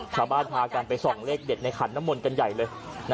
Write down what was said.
พากันไปส่องเลขเด็ดในขันน้ำมนต์กันใหญ่เลย